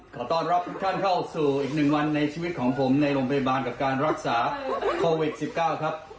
ขอต้อนรับทุกท่านเข้าสู่อีกหนึ่งวันในชีวิตของผมในโรงพยาบาลกับการรักษาโควิด๑๙ครับ